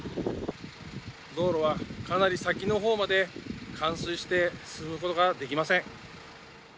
道路はかなり先の方まで冠水して進むことができません。